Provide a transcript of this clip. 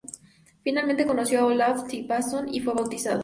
Finalmente, conoció a Olaf Tryggvason y fue bautizado.